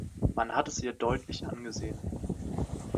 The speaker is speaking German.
Man hat es ihr deutlich angesehen.